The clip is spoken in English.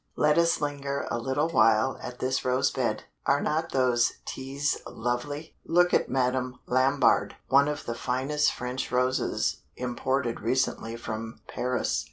Let us linger a little while at this rose bed. Are not those Teas lovely? Look at Madame Lambard, one of the finest French roses imported recently from Paris.